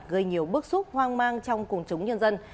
gây nhiều bức xúc hoang mang trong quần chúng nhân dân